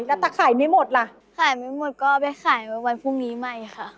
แล้วถ้าขายไม่หมดล่ะขายไม่หมดก็ไปขายวันพรุ่งนี้ใหม่ค่ะ